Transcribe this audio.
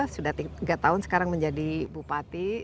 sudah tiga tahun sekarang menjadi bupati